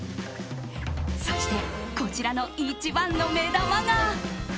そして、こちらの一番の目玉が。